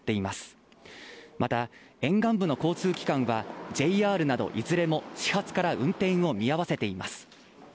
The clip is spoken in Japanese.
また、沿岸部の交通機関はＪＲなど、いずれも、始発から運転を見合わせています。